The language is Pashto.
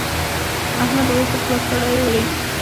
احمد اور په خوله کړې وړي.